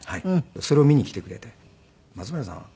それを見に来てくれて「松村さん